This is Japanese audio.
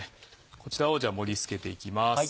こちらを盛り付けていきます。